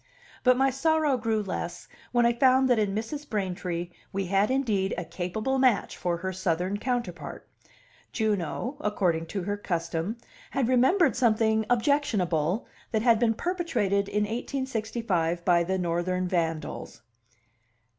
But my sorrow grew less when I found that in Mrs. Braintree we had indeed a capable match for her Southern counterpart. Juno, according to her custom, had remembered something objectionable that had been perpetrated in 1865 by the Northern vandals.